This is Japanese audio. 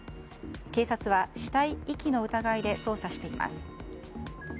警察は死体遺棄の疑いで捜査しています。